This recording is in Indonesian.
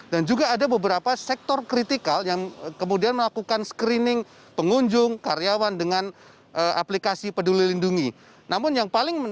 dan juga ada beberapa sektor kritikal yang kemudian melakukan screening pengunjung karyawan dengan aplikasi peduli lingkungan